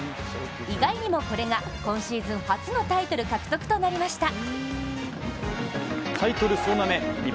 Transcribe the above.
意外にもこれが今シーズン初のタイトル獲得となりました。